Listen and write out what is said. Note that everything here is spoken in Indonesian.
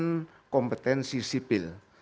untuk menampilkan kompetensi sipil